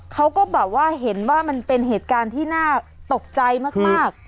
เขาก็แบบว่าเห็นว่ามันเป็นเหตุการณ์ที่น่าตกใจมาก